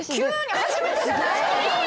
初めてじゃない？